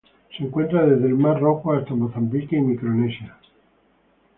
Se encuentra desde el Mar Rojo hasta Mozambique y Micronesia.